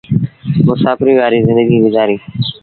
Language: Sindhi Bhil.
مسآڦريٚ وآريٚ زندگيٚ گزآريٚ۔